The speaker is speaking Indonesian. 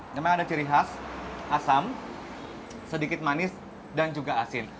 memang ada ciri khas asam sedikit manis dan juga asin